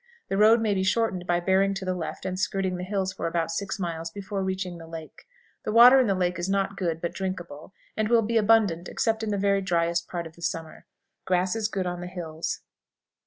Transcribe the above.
The road may be shortened by bearing to the left and skirting the hills for about six miles before reaching the lake. The water in the lake is not good, but drinkable, and will be abundant except in the very dryest part of the summer. Grass is good on the hills.